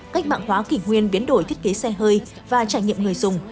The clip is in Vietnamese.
cách mạng hóa kỷ nguyên biến đổi thiết kế xe hơi và trải nghiệm người dùng